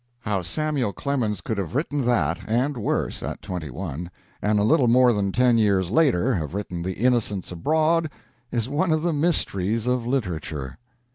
'" How Samuel Clemens could have written that, and worse, at twenty one, and a little more than ten years later have written "The Innocents Abroad," is one of the mysteries of literature.